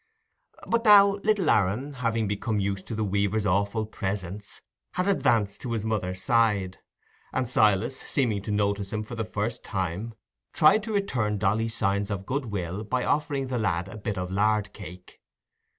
But now, little Aaron, having become used to the weaver's awful presence, had advanced to his mother's side, and Silas, seeming to notice him for the first time, tried to return Dolly's signs of good will by offering the lad a bit of lard cake.